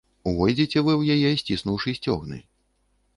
Увойдзеце вы ў яе, сціснуўшы сцёгны.